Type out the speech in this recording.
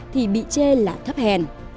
thì bị chê là thấp hèn